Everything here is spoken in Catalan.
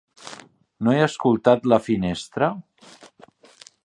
No he escoltat la finestra?